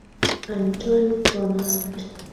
Antoni wa Mt.